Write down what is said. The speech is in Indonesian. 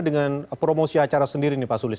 dengan promosi acara sendiri nih pak sulis